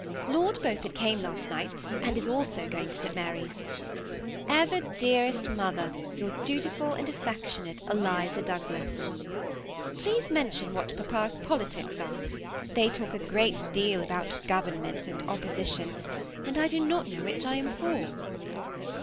Lord Beaufort cam^ last night, and is also going to St Mary's. ''Ever, dearest mother, ''Your dutiful and afPeotionate) "Eliza Douglas ''Please mention what papa's politics are. They talk a great deal about government and opposition, and I do not know which I am for."